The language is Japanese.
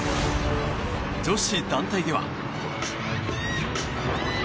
女子団体では。